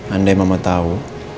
andai mama tau